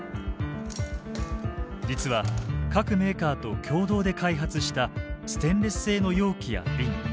実は各メーカーと共同で開発したステンレス製の容器や瓶。